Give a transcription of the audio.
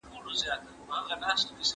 ¬ نجاري د بيزو کار نه دئ.